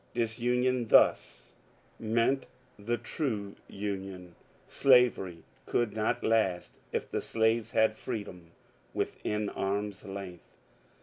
Disunion thus meant the true Union. Slavery could not last if the slaves had freedom within arm's length.